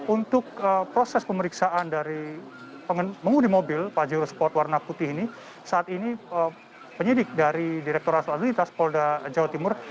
untuk proses pemeriksaan dari pengundi mobil pak jero sport warna putih ini saat ini penyidik dari direktur rasul adulitas polda jawa timur